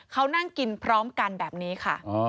เขานั่งกินพร้อมกันแบบนี้ค่ะ